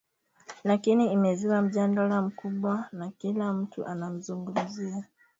lakini imezua mjadala mkubwa na kila mtu anamzungumzia